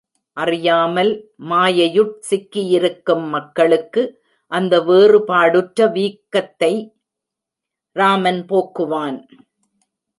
அறியாமல் மாயையுட் சிக்கியிருக்கும் மக்களுக்கு, அந்த வேறுபாடுற்ற வீக்கத்தை ராமன் போக்குவான்.